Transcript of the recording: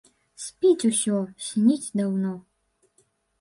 Спіць усё, сніць даўно.